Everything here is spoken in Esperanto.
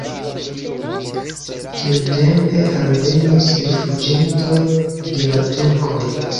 Tiutempe alvenis rifuĝintoj de la turkoj.